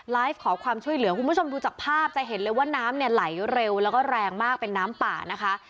ขอความช่วยเหลือคุณผู้ชมดูจากภาพจะเห็นเลยว่าน้ำเนี่ยไหลเร็วแล้วก็แรงมากเป็นน้ำป่านะคะ